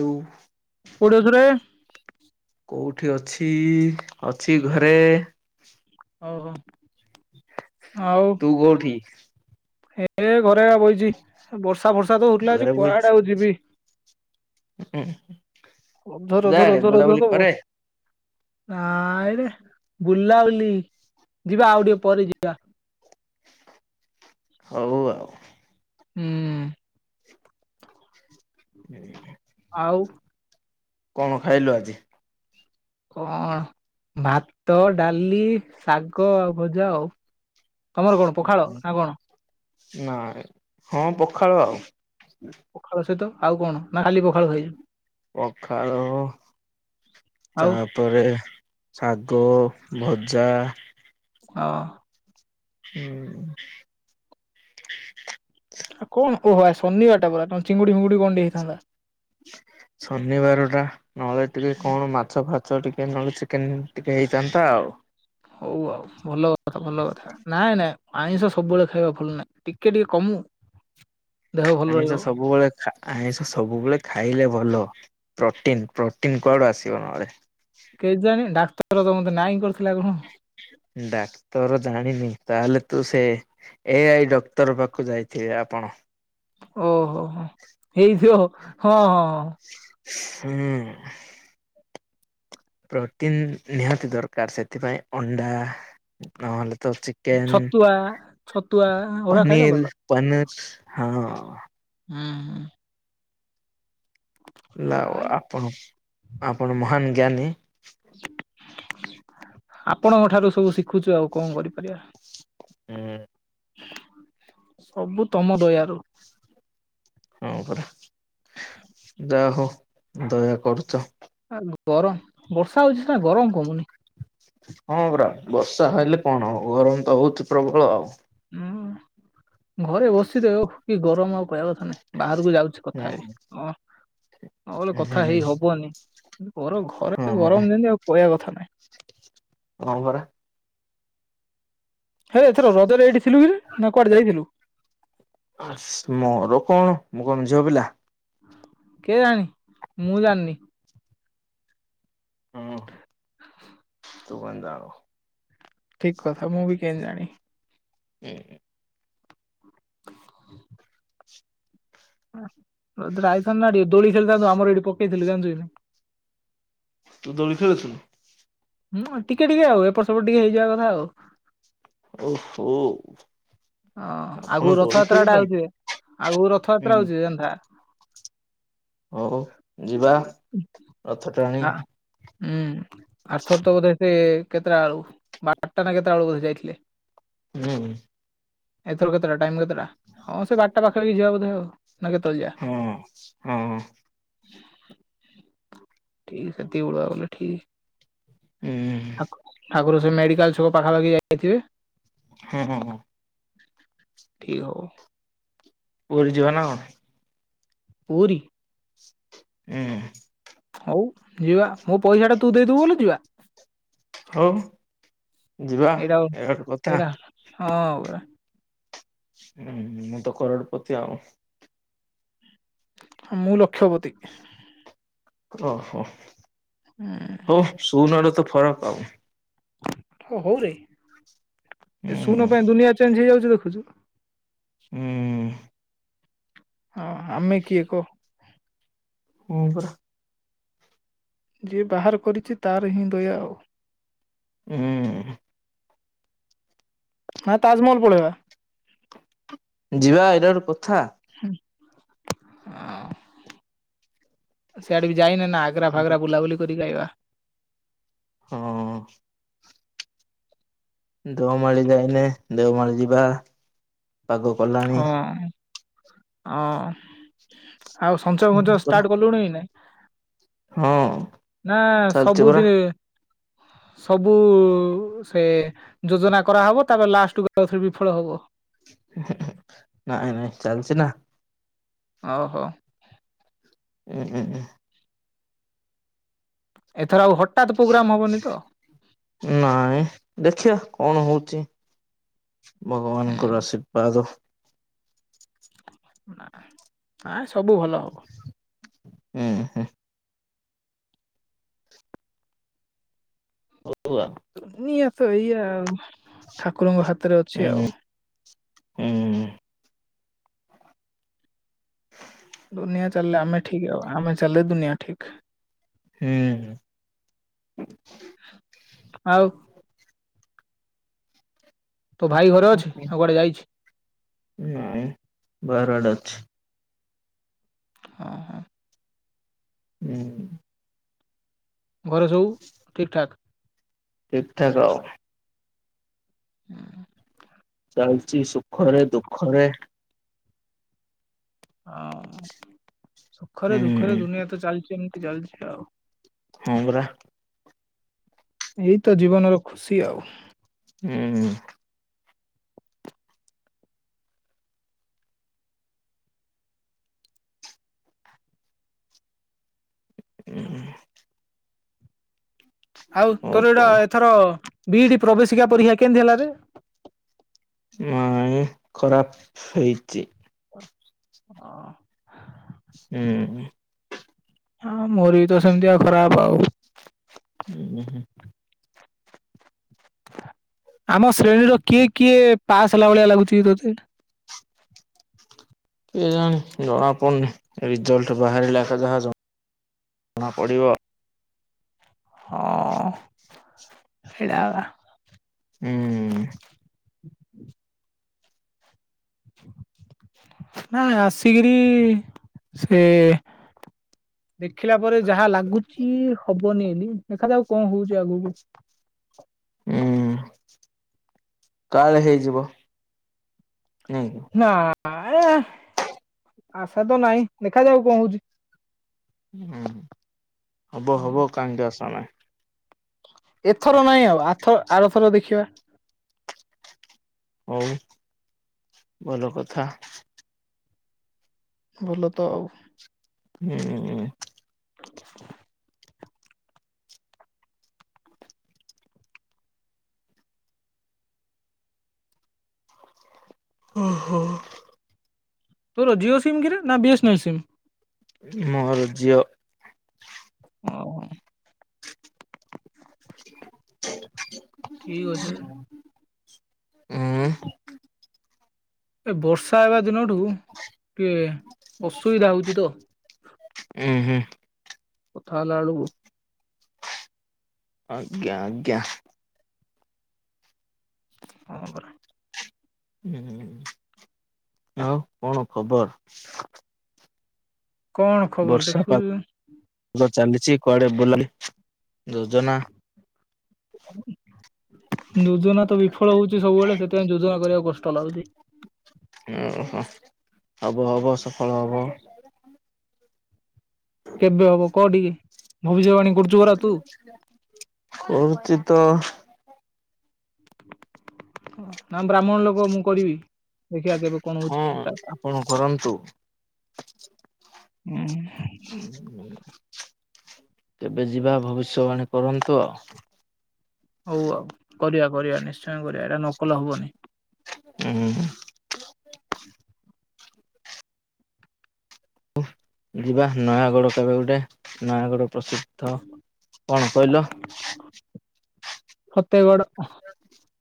ତୁ କୋଉଠି ଅଛୁରେ? କୋଉଠି ଅଛି? ଅଛି ଘରେ। ଓହୋ। ଆଉ ତୁ କୋଉଠି? ଏ ଘରେ କା ବଇଚି। ବର୍ଷା ଫର୍ଷା ତ ହଉଥିଲା ଯେ ଘରେ ବଇଛୁ। କୁଆଡ଼େ ଆଉ ଯିବି? ଅ ଧର ଧର ଯାଆରେ ଧର ବୁଲାବୁଲି ଧର କରେ [unintelligible] ନାଇରେ ବୁଲାଉଲି ଯିବା ଆଉ ଟିକେ ପରେ ଯିବା। ହଉ ଆଉ। ହୁଁ। [inaudible] ଆଉ। କଣ ଖାଇଲୁ ଆଜି? କଣ ଭାତ, ଡାଲି, ଶାଗ ଆଉ ଭଜା ଆଉ। ତମର କଣ ପଖାଳ ନା କଣ? ନାଇଁ ହଁ ପଖାଳ ଆଉ। ପଖାଳ ସହିତ ଆଉ କଣ ନା ଖାଲି ପଖାଳ ଖାଇଛ? ପଖାଳ ଆଉ ତା ପରେ ଶାଗ ଭଜା। ହଁ। ହୁଁ [unintelligible] ଆଉ କଣ ଓହୋ ଆଜି ଶନିବାରଟା ପରା ନହେଲେ ଚିଙ୍ଗୁଡି ଫିଙ୍ଗୁଡି କଣ ଟିକେ ହେଇଥାନ୍ତା। ଶନିବାର ଟା। ନହେଲେ ଟିକେ କଣ ମାଛ ଫାଚ ଟିକେ ନହେଲେ ଚିକେନ ଟିକେ ହେଇଥାନ୍ତା ଆଉ। ହଉ ଆଉ ଭଲ କଥା ଭଲ କଥା। ନାଇଁ ନାଇଁ ଆଇଁଷ ସବୁବେଳେ ଖାଇବା ଭଲ ନାହିଁ ଟିକେ ଟିକେ କମୁ। ଦେହ ଭଲ ରହିବ ଆଇଁସ ସବୁବେଳେ ଆଇଁଷ ସବୁବେଳେ ଖାଇଲେ ଭଲ ପ୍ରୋଟିନ ପ୍ରୋଟିନ କୁଆଡୁ ଆସିବ ନହେଲେ। କେଜାଣି ଡାକ୍ତର ତ ମତେ ନାଇଁଁ କରିଥିଲା କଣ। ଡାକ୍ତର ଜାଣିନି ତାହେଲେ ତୁ ସେ ଏ ଆଇ ଡକ୍ଟର ପାଖକୁ ଯାଇଥିବେ ଆପଣ। ଓହୋ ହୋ ହେଇଥିବ ହଁ ହଁ ହଁ। ହୁଁ। ପ୍ରୋଟିନ୍ ନିହାତି ଦରକାର ସେଥିପାଇଁ ଅଣ୍ଡା ନହେଲେ ତ ଚି କେନ୍ ଛତୁଆ ଛତୁଆ ଓରା ଖାଇଲେ ପନିର୍ ଭଲ। ପନିର ହଁ। ହୁଁ ହୁଁ। ହେଲା ଆଉ ଲାଇ ଆପଣ ଆପଣ ମହାନ ଜ୍ଞାନୀ। ଆପଣଙ୍କ ଠାରୁ ସବୁ ଶିଖୁଛୁ ଆଉ କଣ କରିପାରିବା। ହୁଁ। ସବୁ ତମ ଦୟାରୁ। ହଁ ପରା ଯା ହଉ ଦୟା କରୁଛ। ଆ ଗରମ ବର୍ଷା ହଉଛି ସିନା ଗରମ କମୁନି। ହଁ ପରା ବର୍ଷା ହେଲେ କଣ ହବ ଗରମ ତ ହଉଛି ପ୍ରବଳ। ହୁଁ ଘରେ ବସିଛି ଯେ ଓ କି ଗରମ ଆଉ କହିବା କଥା ବାହାରକୁ ଯାଉଛି କଥା ହୁଁ ହେବି। ନହେଲେ କଥା ହୁଁ ହେଇ ହବନି। ଘର ଘରେ ହଁ ଗରମ ଯେମିତି ଆଉ କହିବା କଥା ନାହିଁ। ହଁ ପରା। ହେରେ ଏଥର ରଜରେ ଏଇଠି ଥିଲୁ କିରେ ନା କୁଆଡେ ଯାଇଥିଲୁ? ମୋର କଣ ମୁଁ କଣ ଝିଅ ପିଲା? କେଜାଣି ମୁଁ ଜାଣିନି। ହୁଁ ତୁ କେନ୍ତି ଜାଣିବୁ। ଠିକ କଥା ମୁଁ ବି କେମିତି ଜାଣି ହୁଁ। [inaudible] ରଜରେ ଆଇଥାନ୍ତୁ ନା ଟିକେ ଦୋଳିଖେଳିଥାନ୍ତୁ ଆମର ଏଠି ପକେଇଥିଲୁ ଜାଣିଛୁ କି ନାହିଁ। ତୁ ଦୋଳି ଖେଳୁଚୁ? ହୁଁ ଟିକେ ଟିକେ ଆଉ ଏପଟ ସେପଟ ଟିକେ ହେଇଯିବା କଥା ଆଉ। ଓହୋ। ହଁ ଆଗକୁ ଆପଣ ଦୋଳି ରଥଯାତ୍ରାଟା ଖେଳୁଛନ୍ତି ଆଉଛି ଆଗକୁ ରଥଯାତ୍ରା ହୁଁ। ଆଉଛି ଜାଣିଥା। ହ ହଉ ଯିବା ରଥ ଟାଣି ଆ ହୁଁ ଆରଥର ତ ବୋଧେ ସେ କେତେଟା ବେଳକୁ ବାରଟା ନା କେତେ ବେଳକୁ ଯାଇଥିଲେ? ହୁଁ। ଏଥର କେତେଟା ଟାଇମ କେତେଟା ହଁ ସେ ବାରଟା ପାଖାପାଖି ଯିବା ବୋଧେ ଆଉ ନା କେତେବେଳେ ଯିବା? ହଁ। ହଁ ଠିକ ସେତିକି ବେଳକୁ ଗଲେ ଠିକ୍। ହୁଁ ଠାକୁର ସେ ମେଡ଼ିକାଲ ଛକ ପାଖାପାଖି ଯାଇଥିବେ ହଁ ହଁ। ଠିକ ହବ। ପୁରୀ ଯିବ ନା କଣ? ପୁରୀ? ସ ହୁଁ। ହଉ ଯିବା ମୋ ପଇସା ଟା ତୁ ଦେଇଦବୁ ବୋଲେ ଯିବା। ହଉ ଯିବା ଏଇଟା ଏ ଗୋଟେ କଥା। ଏଇଟା ହଁ। ହୁଁ ହୁଁ ମୁଁ ତ କରୋଡ଼ପତି ଆଉ। ମୁଁ ଲକ୍ଷପତୀ। ଓହୋ। ହୁଁ। ହଉ ଶୂନରେ ତ ଫରକ ଆଉ। ହ ହଉରେ ଏ ଶୂନ ହୁଁ। ପାଇଁ ଦୁନିଆ ଚେଞ୍ଜ ହେଇଯାଉଛି ଦେଖୁଛୁ। ହୁଁ। ହଁ ଆମେ କିଏ କହ? ହଁ ପରା। ଯିଏ ବାହାର କରିଛି ତାର ହିଁ ଦୟା ଆଉ। ହୁଁ। ହଁ ତାଜମହଲ ପଳେଇବା। ଯିବା ଏଇଟା ଗୋଟେ କଥା। ହଁ। ସିଆଡେ ବି ଯାଇନେ ନା ଆଗ୍ରା ଫାଗ୍ରା ବୁଲାବୁଲି କରିିକି ଆଇବା। ହଁ। ଦେଓମାଳି ଯାଇନେ ଦେଓମାଳି ଯିବା। ପାଗ କଲା। ହଁ ହଁ ଆଉ ସଞ୍ଚୟ ହଁ ଫଞ୍ଚୟ ପରା ଷ୍ଟାର୍ଟ କଲୁଣି ନା? ହଁ। ନା ଚାଲିଛି ପରା ସବୁଦିନ ସବୁ ସେ ଯୋଜନା କରାହବ ତାପରେ ଲାଷ୍ଟକୁ ଆ ବିଫଳ ହବ। ନାଇଁ ନାଇଁ ଚାଲିଛି ନା। ଓଉ ହଉ। ଉଁ ଉମ୍ଁ ଉଁ। ଏଥର ଆଉ ହଠାତ୍ ପ୍ରୋଗ୍ରାମ ହବନି ତ? ନାଇଁ ଦେଖିବା କଣ ହଉଛି? ଭଗବାନଙ୍କର ହୁଁ ଆଶୀର୍ବାଦ। ଆ ସବୁ ଭଲ ହବ। ହୁଁ। [unintelligible] ନିଆ ତ ଏଇଆ ଆଉ। ଠାକୁରଙ୍କ ହାତରେ ଅଛି ହୁଁ ଆଉ। ହୁଁ ଦୁନିଆ ଚାଲିଲେ ଆମେ ଠିକ୍ ହବା। ଆମେ ଚାଲିଲେ ଦୁନିଆ ଠିକ୍। ହୁଁ। ଆଉ [inaudible] ତୋ ଭାଇ ଘରେ ଅଛି। ନା କୁଆଡ଼େ ଯାଇଛି? ଉଁ ବାହାରଆଡେ ଅଛି। ହଁ ହଁ। ହୁଁ। ଘରେ ସବୁ ଠିକ୍ ଠାକ୍? ଠିକ୍ ଠାକ୍ ଆଉ। ହୁଁ। ଚାଲିଛି ସୁଖରେ ଦୁଃଖରେ ହଁ ସୁଖରେ ଦୁଃଖରେ ହୁଁ ଦୁନିଆ ତ ଚାଲିଚି ଏମିତି ଚାଲିଚି ଆଉ। ହଁ ପରା। ଏଇତ ଜୀବନର ଖୁସି ଆଉ। ହୁଁ। ହଁ। ଆଉ ତୋର ଏଇଟା ଏଥର ବିଇଡି ପ୍ରବେଶିକା ପରୀକ୍ଷା କେମତି ହେଲାରେ? ନାଇଁ ଖରାପ ହେଇଚି। ହଁ। ହୁଁ। ହଁ ମୋର ବି ତ ସେମିତି ଆଉ ଖରାପ୍ ଆଉ। ହୁଁ ହୁଁ ହୁଁ। ଆମ ଶ୍ରେଣୀର କିଏ କିଏ ପାସ୍ ହେଲା ଭଳିଆ ଲାଗୁଛି କି ତତେ? କିଏ ଜାଣି ଜଣାପଡୁନି ରିଜଲ୍ଟ ବାହାରିଲେକା ଯାହା ଜ ଣାପଡ଼ିବ। ହଁ ସେଇଟା ପା। ହୁଁ। ନା ନା ସିଡି ସେ ଦେଖିଲା ପରେ ଯାହା ଲାଗୁଚି ହବନି ବେଲି ଦେଖାଯାଉ କଣ ହଉଛି ଆଗକୁ। ହୁଁ ତାଲେ ହେଇଯିବ। ନାଇଁ କି? ନା ଆଁଏ ହେ, ଆଶା ତ ନାହିଁ। ଦେଖାଯାଉ କଣ ହଉଛି? ହଁ ହବ ହବ କାନ୍ଦି ଆସ ନା। ଏଥର ନାଇଁ ଆଉ ଆଥର-ଆରଥର ଦେଖିବା। ହଉ ଭଲ କଥା। ଭଲ ତ ଆଉ। ହୁଁ ହୁଁ। ଓ ହୋ। ତୋର ଜିଓ ସମ୍ କିରେ ନା ବିଏସ୍ ନାଲ୍ ସିମ୍? ମୋର ଜିଓ। ଓ। [inaudible] ଠିକ ଅଛି। ଉଁ। ଏ ବର୍ଷା ହେବା ଦିନଠୁ ଟିକିଏ ଅସୁବିଧା ହେଉଛି ତ। ଉଁ ହୁଁ। କଥା ହେଲା ବେଳକୁ ଆଜ୍ଞା ଆଜ୍ଞା। ହଁ ପରା। ହୁଁ ଆଉ କଣ ଖବର? କଣ ଖବର ବର୍ଷା ପାଗ ଦେଖୁଛୁ ଚାଲିଛି କୁଆଡେ ବୁଲାଲି ଯୋଜନା? ଯୋଜନା ତ ବିଫଳ ହଉଛି ସବୁବେଳେ ସେଥିପାଇଁ ଯୋଜନା କରିବାକୁ କଷ୍ଟ ଲାଗୁଛି। ଓହ ହବ ହବ ସଫଳ ହବ। କେବେ ହବ କୋଉ ଟିକେ ଭବିଷ୍ୟବାଣୀ? କରୁଛୁ ପରା ତୁ କହୁଛି ତ। ନା ବ୍ରାହ୍ମଣ ଲୋକ ମୁଁ କରିବି? ଦେଖିଆ କେବେ। କଣ ହଉଛି ହଁ ଠିକ ଠାକ ଆପଣ କରନ୍ତୁ। ହୁଁ। କେବେ ଯିବା ଭବିଷ୍ୟବାଣୀ କରନ୍ତୁ ଆଉ। ହଉ ଆଉ କରିବା କରିବା ନିଶ୍ଚୟ କରିବା ଏଇଟା ନକଲେ ହବନି। ଉ ହୁଁ। ଯିବା ନୟାଗଡ କେବେ ଗୋଟେ ନୟାଗଡ ପ୍ରସିଦ୍ଧ କଣ କହିଲ? ଫତେଗଡ଼। ହ [inaudible]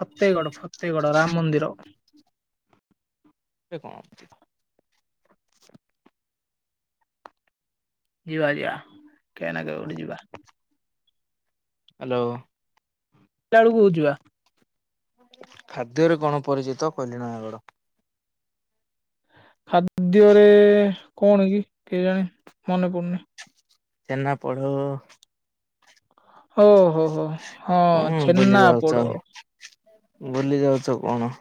ଫତେଗଡ ଫତେଗଡ଼ ରାମ ମନ୍ଦିର। [unintelligible] ଯିବା ଯିବା କେହି ନା କେ ଗୋଠେ ହ୍ୟାଲୋ ଯିବା। ହ୍ୟାଲୋ। ବେଳକୁ [unintelligible] ଖାଦ୍ୟରେ କଣ ପରିଚିତ କଲିଣୟାଗଡ? ଖାଦ୍ୟରେ କଣ କି କେଜାଣି ମନେ ପଡୁନି। ଛେନାପୋଡ଼। ଓ ହୋ ହୋ ହଁ ଛେନା ପୋଡ। ବୁଲି ଯାଉଛ କଣ?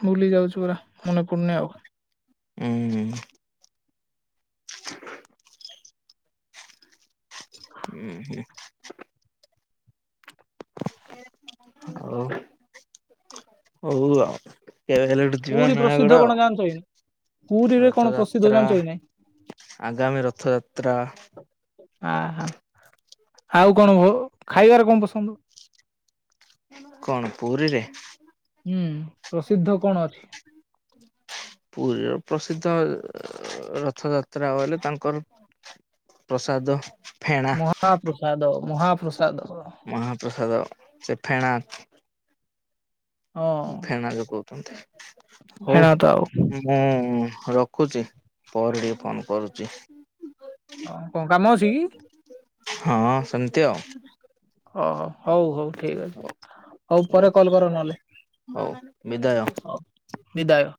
ଭୁଲି ଯାଉଛୁ ପୁରା ମନେ ପଡୁନି ଆଉ। ହୁଁ। ହ [inaudible] ହୁଁ ହୁଁ। ହଉ ଆଉ [unintelligible] ଯିବା ପୁରୀ ପ୍ରସିଦ୍ଧ ନୟାଗଡ କଣ ଆଉ ଜାଣିଛ କି ପୁରୀରେ କଣ ପ୍ରସିଦ୍ଧ ରଥଯାତ୍ରା ଜାଣିଛ କି ନାଇଁ? ଆଗାମୀ ରଥଯାତ୍ରା ଆହ ଆଉ କଣ ଖାଇବାରେ କଣ ପସନ୍ଦ? କଣ ପୁରୀରେ? ହୁଁ ପ୍ରସିଦ୍ଧ କଣ ଅଛି? ପୁରୀର ପ୍ରସିଦ୍ଧ ରଥଯାତ୍ରା ହେଲେ ତାଙ୍କର ପ୍ରସାଦ। ଫେଣା ମହାପ୍ରସାଦ ମହାପ୍ରସାଦ। ମହାପ୍ରସାଦ ସେ ଫେଣା। ହଁ ଫେଣା ଯୋଉ କହୁଛନ୍ତି ହଉ ହେଣା ତ ମୁଁ ରଖୁଛି ପରେ ଟିକେ ଫୋନ କରୁଛି। ଆଉ କଣ କାମ ଅଛି କି? ହଁ ସେମିତି ଆଉ। ଓହୋ ହଉ ହଉ ଠିକ ହଉ ଅଛି ହଉ ପରେ କଲ୍ କର ନହେଲେ। ହଉ ବିଦାୟ। ହଉ ବିଦାୟ।